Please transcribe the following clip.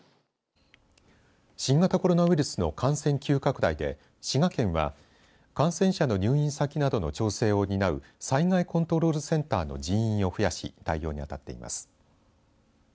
新型コロナウイルスの感染急拡大で滋賀県は感染者の入院先などの調整を担う災害コントロールセンターの人員を増やし対応に当たっています。